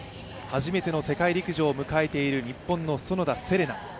初めての世界陸上を迎えている日本の園田世玲奈。